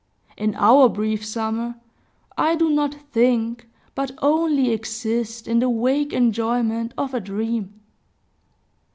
In our brief summer, I do not think, but only exist in the vague enjoyment of a dream.